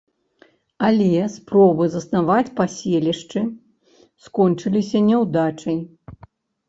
Але спробы заснаваць паселішчы скончыліся няўдачай.